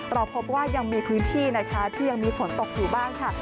เราพบว่ายังมีพื้นที่นะคะที่ยังมีฝนตกอยู่บ้างค่ะ